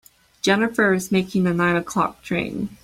Jennifer is making the nine o'clock train.